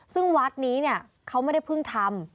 ซึ่งวัดนี้เขาไม่ได้เพิ่งทำ